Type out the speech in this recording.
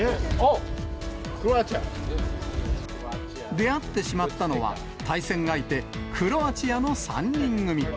出会ってしまったのは、対戦相手、クロアチアの３人組。